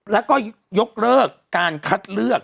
แล้วก็ยกเลิกการคัดเลือก